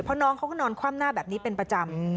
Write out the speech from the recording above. เพราะน้องเขาก็นอนคว่ำหน้าแบบนี้เป็นประจำ